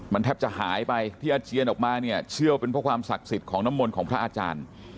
มันแทบจะหายไปที่อาเจียนออกมาเนี่ยเชื่อว่าเป็นเพราะความศักดิ์สิทธิ์ของน้ำมนต์ของพระอาจารย์